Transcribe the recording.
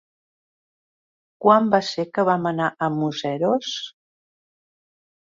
Quan va ser que vam anar a Museros?